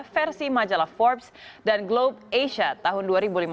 versi majalah forbes dan globe asia tahun dua ribu lima belas